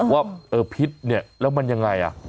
ว่าเออพิษเนี่ยแล้วมันยังไงอ่ะ